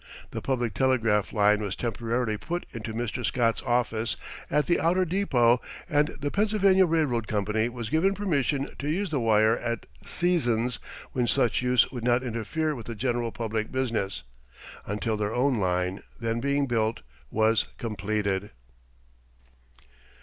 The public telegraph line was temporarily put into Mr. Scott's office at the outer depot and the Pennsylvania Railroad Company was given permission to use the wire at seasons when such use would not interfere with the general public business, until their own line, then being built, was completed.